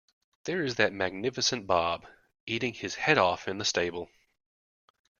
There is that magnificent Bob, eating his head off in the stable.